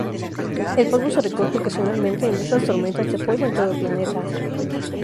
El polvo se recoge ocasionalmente en vastas tormentas de polvo en todo el planeta.